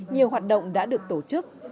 nhiều hoạt động đã được tổ chức